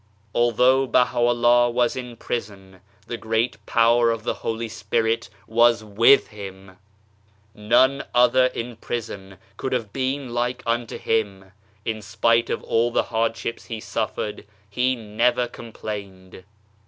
Although Baha'u'llah was in prison the Great Power of the Holy Spirit was with Him ! None other in prison could have been like unto him. In spite of all the hardships he suffered, he never com plained.